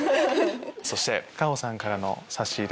そして夏帆さんからの差し入れ。